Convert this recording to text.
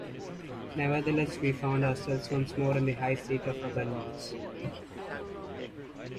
Nevertheless we found ourselves once more in the high seat of abundance.